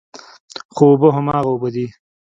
خو اوبه هماغه اوبه دي.